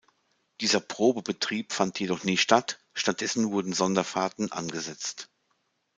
Dieser Probebetrieb fand jedoch nie statt, stattdessen wurden Sonderfahrten angesetzt.